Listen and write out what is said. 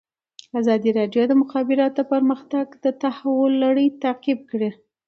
ازادي راډیو د د مخابراتو پرمختګ د تحول لړۍ تعقیب کړې.